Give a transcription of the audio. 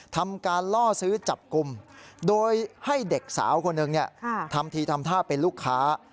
ทำการล่อซื้อจับกลุ่มโดยให้เด็กสาวคนหนึ่งทำทีทำท่าเป็นลูกค้า